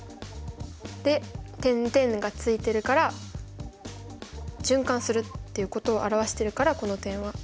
で点々が付いてるから循環するっていうことを表してるからこの点は。